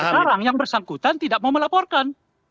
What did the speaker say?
sekarang yang bersangkutan tidak mau melaporkan